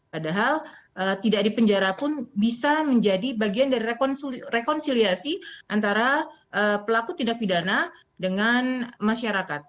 padahal tidak di penjara pun bisa menjadi bagian dari rekonsiliasi antara pelaku tindak pidana dengan masyarakat